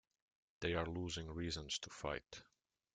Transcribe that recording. They are losing reasons to fight.